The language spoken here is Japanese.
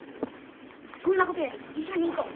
そんなことより医者に行こう。